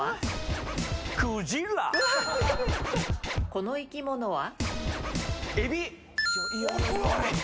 この生き物は？